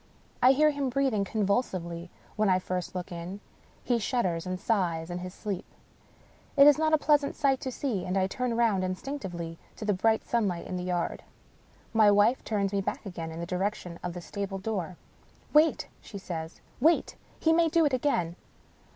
I hear him breathing convulsively when I first look in ; he shudders and sighs in his sleep. It is not a pleasant sight to see, and I turn round instinctively to the bright sunlight in the yard. My wife turns me back again in the direction of the stable door. " Wait !" she says. " Wait ! he may do it again."